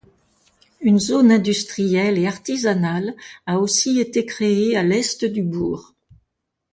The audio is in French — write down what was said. Une zone industrielle et artisanale a aussi été créée à l'est du bourg.